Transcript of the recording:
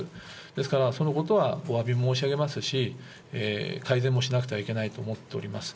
ですからそのことはおわび申し上げますし、改善もしなくてはいけないと思っております。